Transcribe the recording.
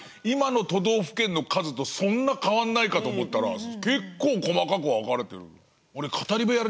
今の都道府県の数とそんな変わんないかと思ったら結構細かく分かれてる。